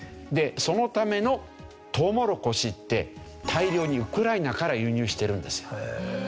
でそのためのトウモロコシって大量にウクライナから輸入してるんですよ。